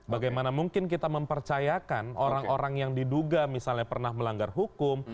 bagaimana mungkin kita mempercayakan orang orang yang diduga misalnya pernah melanggar hukum